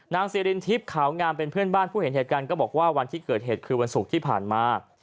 ซีรินทิพย์ขาวงามเป็นเพื่อนบ้านผู้เห็นเหตุการณ์ก็บอกว่าวันที่เกิดเหตุคือวันศุกร์ที่ผ่านมา